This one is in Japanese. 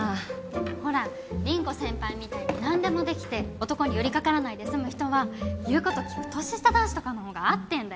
でもほら凛子先輩みたいになんでもできて男に寄りかからないで済む人は言うこと聞く年下男子とかの方が合ってんだよ。